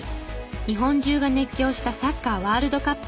日本中が熱狂したサッカーワールドカップ。